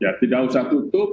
ya tidak usah tutup